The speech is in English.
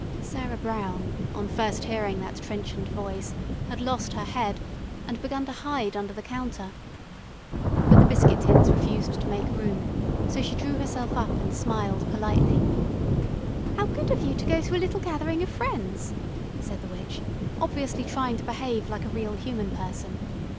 Sarah Brown, on first hearing that trenchant voice, had lost her head and begun to hide under the counter. But the biscuit tins refused to make room, so she drew herself up and smiled politely. "How good of you to go to a little gathering of friends," said the witch, obviously trying to behave like a real human person.